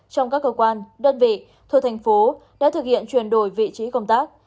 trong các cơ quan đơn vị thuộc thành phố đã thực hiện chuyển đổi vị trí công tác